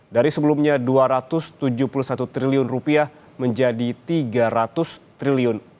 dari sebelumnya rp dua ratus tujuh puluh satu triliun menjadi rp tiga ratus triliun